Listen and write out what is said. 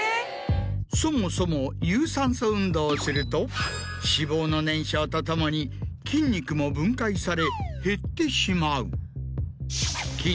そもそも有酸素運動をすると脂肪の燃焼とともに筋肉も分解され減ってしまう。